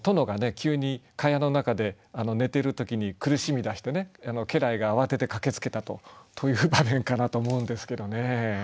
急に蚊帳の中で寝てる時に苦しみだして家来が慌てて駆けつけたとという場面かなと思うんですけどね。